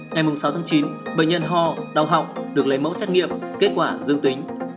ngày sáu tháng chín bệnh nhân hò đau học được lấy mẫu xét nghiệm kết quả dương tính